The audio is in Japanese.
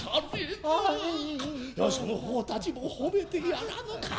その方たちも褒めてやらぬか。